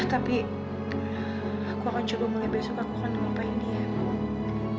tapi aku akan coba mulai besok aku akan temukan pak india